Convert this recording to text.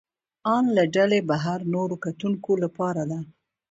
ان له ډلې بهر نورو کتونکو لپاره ده.